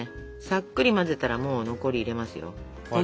さっくり混ぜたらもう残り入れますよ。